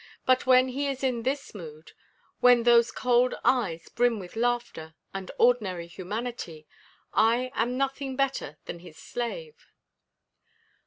But when he is in this mood, when those cold eyes brim with laughter and ordinary humanity, I am nothing better than his slave."